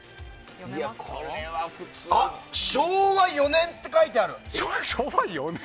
あ、昭和４年って書いてある。